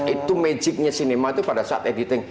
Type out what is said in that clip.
itu magicnya cinema itu pada saat editing